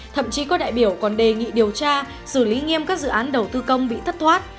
thậm chí có đại biểu còn đề nghị điều tra xử lý nghiêm các dự án đầu tư công bị thất thoát